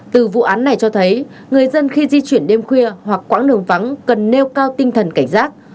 từ vụ án này cho thấy người dân khi di chuyển đêm khuya hoặc quãng đường vắng cần nêu cao tinh thần cảnh giác